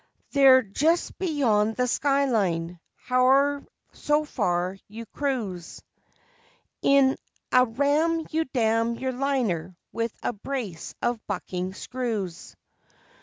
They're just beyond the skyline, howe'er so far you cruise In a ram you damn you liner with a brace of bucking screws.